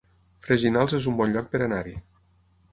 Freginals es un bon lloc per anar-hi